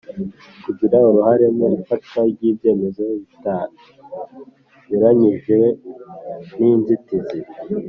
Kugira uruhare mu ifatwa ry’ibyemezo bitanyuranyije n’inzitizi